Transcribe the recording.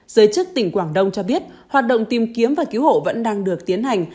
giới chức tỉnh quảng đông cho biết hoạt động tìm kiếm và cứu hộ vẫn đang được tiến hành